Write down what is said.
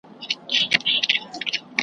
مزه اخلي هم له سپکو هم ښکنځلو .